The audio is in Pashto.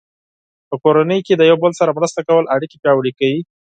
په کورنۍ کې د یو بل سره مرسته کول اړیکې پیاوړې کوي.